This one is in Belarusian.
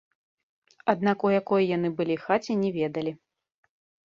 Аднак у якой яны былі хаце, не ведалі.